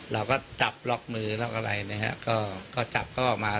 เราก็จับล็อกมือล็อกอะไรนะฮะก็จับก็ออกมา